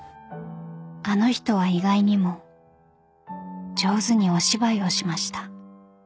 ［あの人は意外にも上手にお芝居をしました］